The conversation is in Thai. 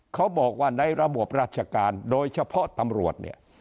เขาบอกว่าในระบบราชการโดยเฉพาะตำรวจเนี่ย